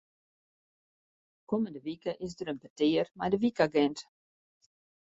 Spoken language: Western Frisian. Kommende wike is der in petear mei de wykagint.